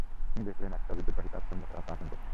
তিনি দেখলেন, একটা বিদ্যুৎবাহী তার চুম্বকের মতো আচরণ করে।